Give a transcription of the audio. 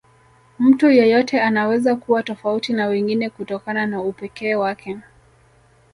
Mtu yeyote anaweza kuwa tofauti na wengine kutokana na upekee wake